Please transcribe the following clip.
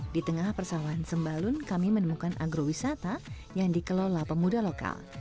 di tengah persawahan sembalun kami menemukan agrowisata yang dikelola pemuda lokal